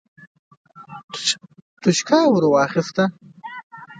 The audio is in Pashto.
توشکه يې ور واخيسته.